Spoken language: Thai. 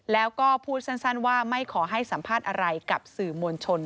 แล้วก็พูดสั้นว่าไม่ขอให้สัมภาษณ์อะไรกับสื่อมวลชน